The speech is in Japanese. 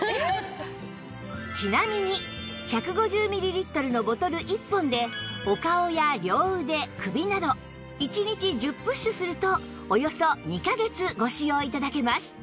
ちなみに１５０ミリリットルのボトル１本でお顔や両腕首など１日１０プッシュするとおよそ２カ月ご使用頂けます